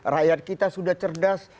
rakyat kita sudah cerdas